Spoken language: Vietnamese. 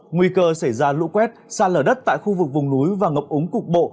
nguy cơ xảy ra lũ quét xa lở đất tại khu vực vùng núi và ngập úng cục bộ